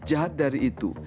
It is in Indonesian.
jahat dari itu